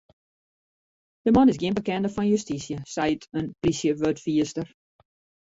De man is gjin bekende fan justysje, seit in plysjewurdfierster.